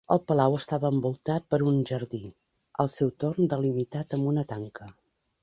El palau estava envoltat per un jardí, al seu torn delimitat amb una tanca.